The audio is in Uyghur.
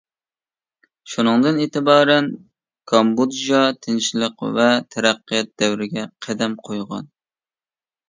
شۇنىڭدىن ئېتىبارەن كامبودژا تىنچلىق ۋە تەرەققىيات دەۋرىگە قەدەم قويغان.